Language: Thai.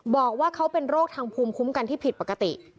บอกว่าเขาเป็นโรคทางภูมิคุ้มกันที่ผิดปกติ